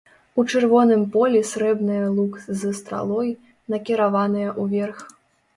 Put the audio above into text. У чырвоным полі срэбныя лук з стралой, накіраваныя ўверх.